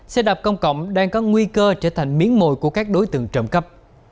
xe đạp công cộng đang có nguy cơ trở thành miếng mồi của các đối tượng trộm cắp